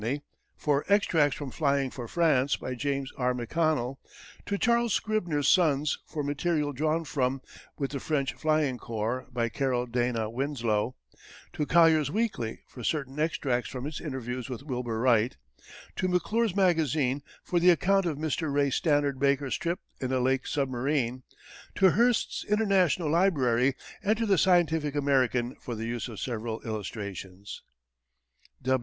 for extracts from Flying for France, by James R. McConnell; to Charles Scribner's Sons, for material drawn from With the French Flying Corps, by Carroll Dana Winslow; to Collier's Weekly, for certain extracts from interviews with Wilbur Wright; to McClure's Magazine, for the account of Mr. Ray Stannard Baker's trip in a Lake submarine; to Hearst's International Library, and to the Scientific American, for the use of several illustrations.